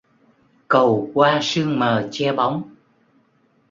Cầu qua sương mờ che bóng